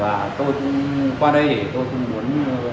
và tôi qua đây tôi muốn